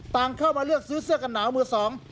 ต่างเข้ามาเลือกซื้อเสื้อกันหนาวมือสอง